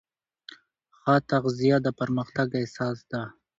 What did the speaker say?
ښه تغذیه د پرمختګ اساس ده.